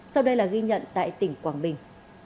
sau đây là ghi nhận tại tỉnh quảng bình